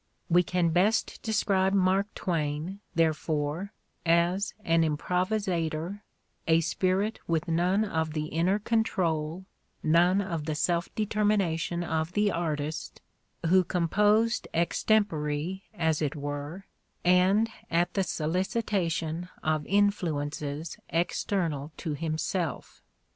"We can best describe Mark Twain, therefore, as an improvisator, a spirit with none of the inner control, none of the self determination of the artist, who com posed extempore, as it were, and at the solicitation of influences external to himself.